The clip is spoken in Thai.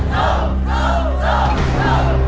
ยุดครับ